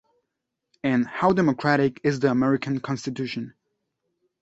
En "How Democratic is the American Constitution?